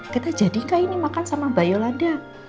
kita jadi gak ini makan sama mbak yolanda